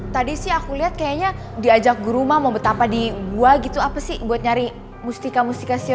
tadi sih aku liat kayaknya diajak guru mama betapa di gua gitu apa sih buat nyari mustika mustika siapa